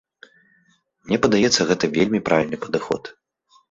Мне падаецца, гэта вельмі правільны падыход.